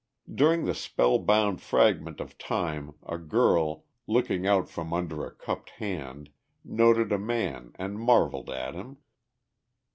During the spellbound fragment of time a girl, looking out from under a cupped hand, noted a man and marvelled at him.